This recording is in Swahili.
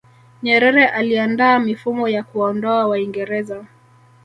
nyerere aliandaa mifumo ya kuwaondoa waingereza